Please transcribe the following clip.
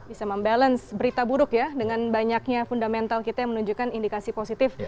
bisa membalance berita buruk ya dengan banyaknya fundamental kita yang menunjukkan indikasi positif